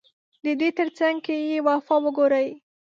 ددې ترڅنګ که يې وفا وګورې